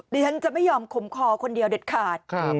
ดิฉันจะไม่ยอมขมคอคนเดียวเด็ดขาด